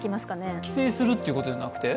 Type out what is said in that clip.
帰省するっていうことじゃなくて？